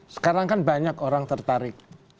sekarang kan banyak orang tertarik